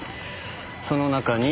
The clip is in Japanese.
その中に。